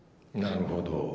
なるほど。